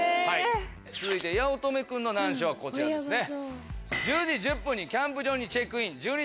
続いて八乙女君の難所はこちらですね。